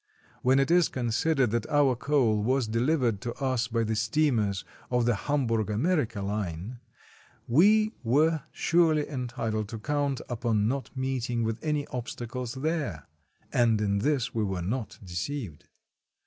When it is considered that our coal was delivered to us by the steamers of the Hamburg America Line, we were surely entitled to count upon not meeting with any obstacles there (and in this we were not deceived).